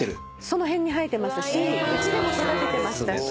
その辺に生えてますしうちでも育ててましたし。